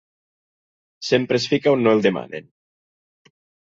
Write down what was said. Sempre es fica on no el demanen.